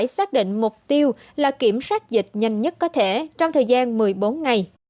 xác định mục tiêu là kiểm soát dịch nhanh nhất có thể trong thời gian một mươi bốn ngày